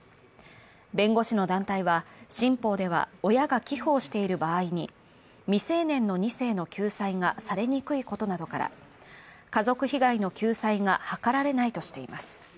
弁護士の団体は、新法では親が寄付をしている場合に未成年の２世の救済がされにくいことなどから家族被害の救済が図られないとしています。